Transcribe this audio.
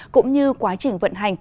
cũng như quá trình vận hành